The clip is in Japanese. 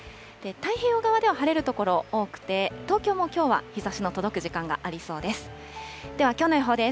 太平洋側では晴れる所、多くて、東京もきょうは日ざしの届く時間がありそうです。